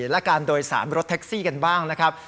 และการโดยสารรถแท็กซี่กันบ้างนะครับ